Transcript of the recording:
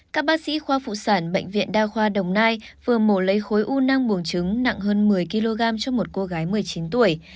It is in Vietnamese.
các bác sĩ khoa phụ sản bệnh viện đa khoa đồng nai vừa mổ lấy khối u năng buồng trứng nặng hơn một mươi kg cho một cô gái một mươi chín tuổi